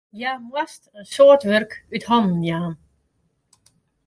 Hja moast in soad wurk út hannen jaan.